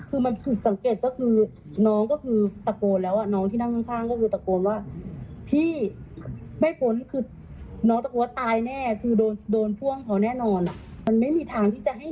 คือมันคือสังเกตก็คือน้องก็คือตะโกนแล้วอ่ะน้องที่นั่งข้างข้างก็คือตะโกนว่า